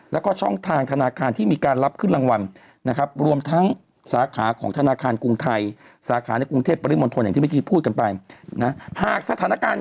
และก็ช่องทางธนาคารที่มีการรับขึ้นรางวัล